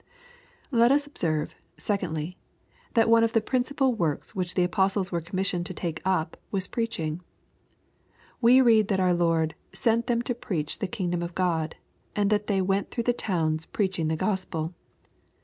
Let US observe, secondly, that one of the principal works which the apostles were commissioned to take up was preaching. We read that our Lord "sent them to preach the kingdom of God/' and that "they went through the towns preaching the Gospel."